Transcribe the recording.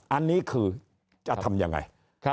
อันนี้คือจะทำยังไง